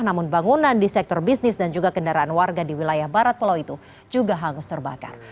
namun bangunan di sektor bisnis dan juga kendaraan warga di wilayah barat pulau itu juga hangus terbakar